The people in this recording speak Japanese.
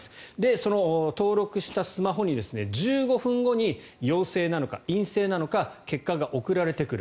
その登録したスマホに１５分後に陽性なのか陰性なのか結果が送られてくる。